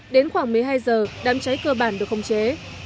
đến khoảng một mươi hai giờ đám cháy cơ bản được không chế